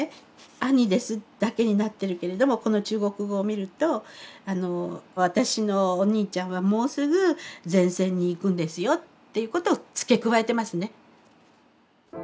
「兄です」だけになってるけれどもこの中国語を見ると「私のお兄ちゃんはもうすぐ前線に行くんですよ」っていうことを付け加えてますね。